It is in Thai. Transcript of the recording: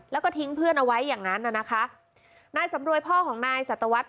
แล้วก็ทิ้งเพื่อนเอาไว้อย่างนั้นน่ะนะคะนายสำรวยพ่อของนายสัตวรรษ